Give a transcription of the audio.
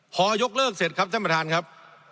พอยกเลิกเสร็จครับท่านประธานครับ